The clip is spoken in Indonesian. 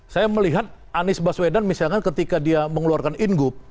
saya melihat anies baswedan misalkan ketika dia mengeluarkan ingup